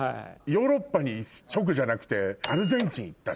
ヨーロッパに直じゃなくてアルゼンチン行ったし。